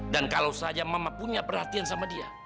dan kalau saja mama punya perhatian sama dia